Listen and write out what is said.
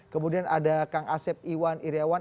kemudian ada kang asep iwan iryawan